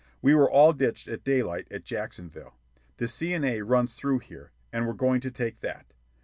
We were all ditched at daylight at Jacksonville. The C. & A. runs through here, and we're going to take that.